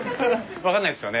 分かんないですよね